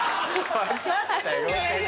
分かったよ合格。